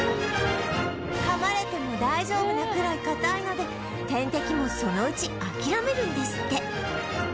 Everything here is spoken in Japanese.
かまれても大丈夫なくらい硬いので天敵もそのうち諦めるんですって